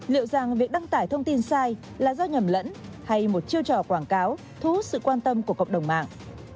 liệu rằng việc đăng tải thông tin sai là do nhầm lẫn hay một chiêu trò quảng cáo thu hút sự quan tâm của cộng đồng mạng